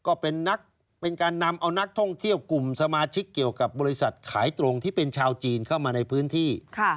ก็เป็นการนำเอานักท่องเที่ยวกลุ่มสมาชิกเกี่ยวกับบริษัทขายตรงที่เป็นชาวจีนเข้ามาในพื้นที่